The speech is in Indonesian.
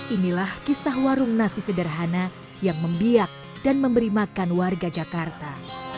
inilah kisah warung nasi sederhana yang membiak dan memberi makan warga jakarta